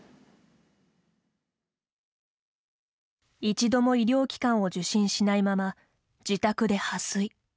一度も医療機関を受診しないまま、自宅で破水。